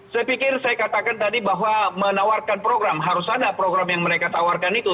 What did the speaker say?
saya pikir saya katakan tadi bahwa menawarkan program harus ada program yang mereka tawarkan itu